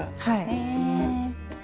へえ。